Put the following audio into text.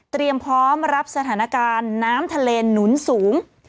พร้อมรับสถานการณ์น้ำทะเลหนุนสูง